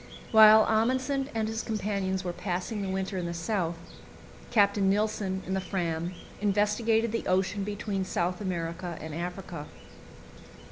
While Amundsen and his companions were passing the winter in the South, Captain Nilsen, in the Fram, investigated the ocean between South America and Africa.